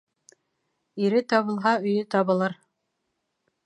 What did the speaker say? Ире табылһа, өйө табылыр.